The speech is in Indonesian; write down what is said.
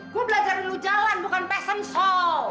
gua belajar dulu jalan bukan pesen so